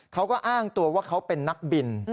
เขาก็อ้างตัวว่าเขาเป็นนักบิน